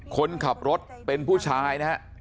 คนขับรถเป็นผู้ชายนะฮะ